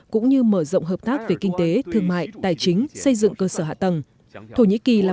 cũng như mở rộng hợp tác về kinh tế thương mại tài chính xây dựng cơ sở hạ tầng thổ nhĩ kỳ là